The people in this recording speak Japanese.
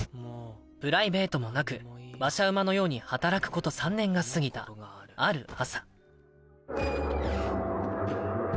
プライベートもなく馬車馬のように働くこと３年が過ぎたある朝。